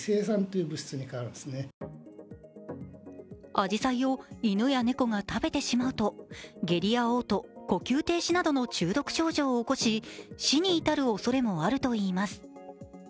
あじさいを犬や猫が食べてしまうと下痢やおう吐、呼吸停止などの中毒症状を起こし死に至るおそれもあるといいます。